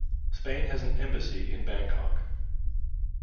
Spain has an embassy in Bangkok.